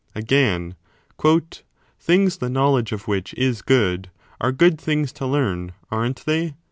Again, Things the know ^5 ledge of which is good, are good things to learn, aren t they